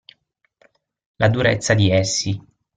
La durezza di essi.